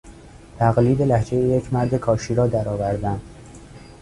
تقلید لهجهی یک مرد کاشی را درآوردن